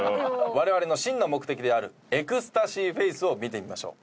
我々の真の目的であるエクスタシーフェイスを見てみましょう。